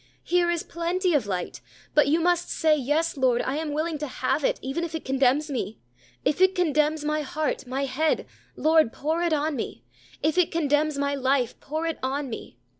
Here is plenty of light; but you must say, "Yes, Lord, I am willing to have it, even if it condemns me. If it condemns my heart, my head, Lord, pour it on me. If it condemns my life, pour it on me.